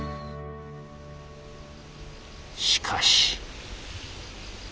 しかし。